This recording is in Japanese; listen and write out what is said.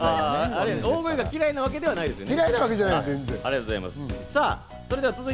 大声が嫌いなわけじゃないんですね。